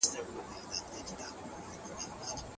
لیکل د معلوماتو د پروسس کولو پروسه ده.